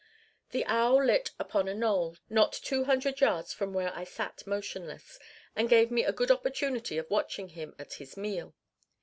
The owl lit upon a knoll, not two hundred yards from where I sat motionless, and gave me a good opportunity of watching him at his meal.